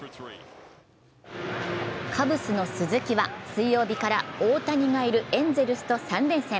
カブスの鈴木は、水曜日から大谷がいるエンゼルスと３連戦。